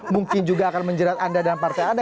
mungkin juga akan menjerat anda dan partai anda